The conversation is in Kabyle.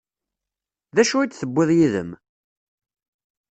D acu i d-tewwiḍ yid-m?